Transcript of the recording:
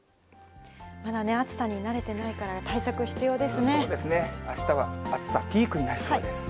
また暑さに慣れてないから、そうですね、あしたは暑さピークになりそうです。